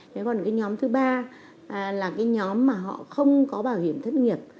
thế còn cái nhóm thứ ba là cái nhóm mà họ không có bảo hiểm thất nghiệp